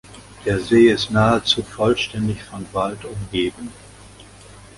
Der See ist nahezu vollständig von Wald umgeben.